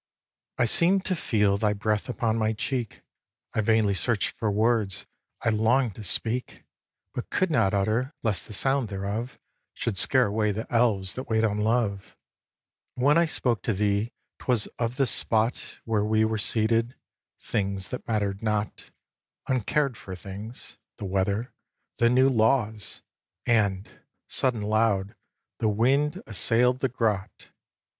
I seem'd to feel thy breath upon my cheek; I vainly searched for words I long'd to speak, But could not utter lest the sound thereof Should scare away the elves that wait on love. And when I spoke to thee 'twas of the spot Where we were seated, things that matter'd not, Uncared for things, the weather, the new laws! And, sudden loud, the wind assail'd the grot.